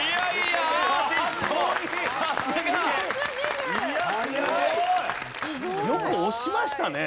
よく押しましたね。